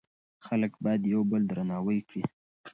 خلک باید یو بل درناوی کړي.